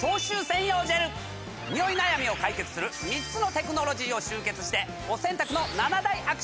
ニオイ悩みを解決する３つのテクノロジーを集結してお洗濯の。